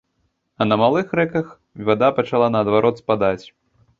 А на малых рэках вада пачала наадварот спадаць.